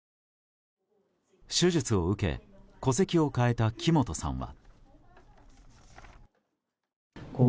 手術を受け、戸籍を変えた木本さんは。